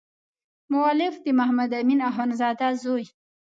مؤلف د محمد امین اخندزاده زوی.